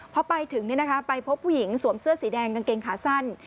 พอไปถึงไปพบผู้หญิงสวมเสื้อสีแดงกางเกงขาสั้น